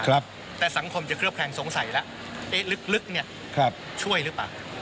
แต่สังคมจะเคลือบแคลงสงสัยแล้วเอ๊ะลึกเนี่ยช่วยหรือเปล่า